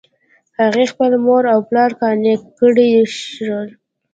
هغې خپل مور او پلار قانع کړل چې